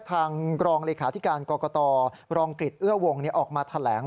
ทางรองลิขาธิการกรกตรองกฤทธิ์เอื้อวงเนี่ยออกมาแถลง